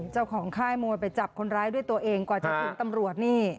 เจ้าของค่ายมวลก็จับคนร้ายด้วยตัวเองก่อนจะถูกจับตำรวจ